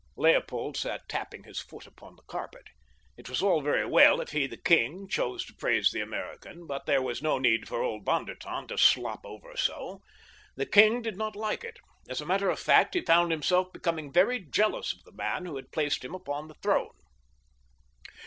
Leopold sat tapping his foot upon the carpet. It was all very well if he, the king, chose to praise the American, but there was no need for old von der Tann to slop over so. The king did not like it. As a matter of fact, he found himself becoming very jealous of the man who had placed him upon his throne.